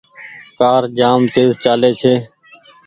ڪآر جآم تيز چآلي ڇي۔